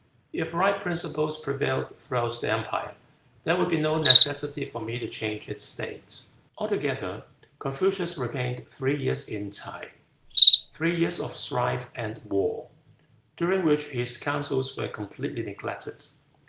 If right principles prevailed throughout the empire, there would be no necessity for me to change its state." Altogether Confucius remained three years in Ts'ae, three years of strife and war, during which his counsels were completely neglected.